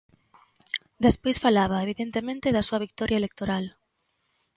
Despois falaba, evidentemente, da súa vitoria electoral.